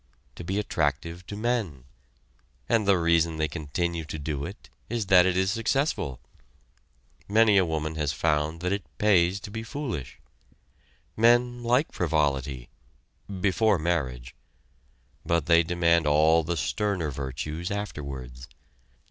To be attractive to men; and the reason they continue to do it is that it is successful. Many a woman has found that it pays to be foolish. Men like frivolity before marriage; but they demand all the sterner virtues afterwards.